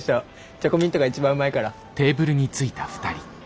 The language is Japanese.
チョコミントが一番うまいから。